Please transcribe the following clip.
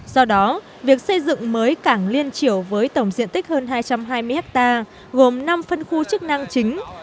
do đó việc xây dựng mới cảng liên triều với tổng diện tích hơn hai trăm hai mươi ha gồm năm phân khu chức năng chính